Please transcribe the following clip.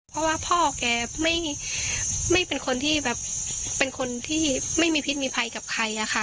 เพราะว่าพ่อแกไม่เป็นคนที่แบบเป็นคนที่ไม่มีพิษมีภัยกับใครอะค่ะ